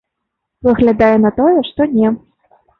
Выглядае на тое, што не.